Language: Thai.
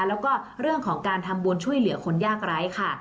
แล้วก็เรื่องของการทำบุญช่วยเหลือคนยากไร้ค่ะ